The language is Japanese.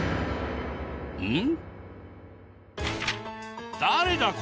「うん？」。